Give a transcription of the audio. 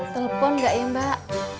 telepon gak ya mbak